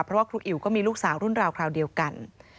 เพราะว่าครูอิ๋วก็มีลูกสาวรุ่นราวคราวเดียวกัน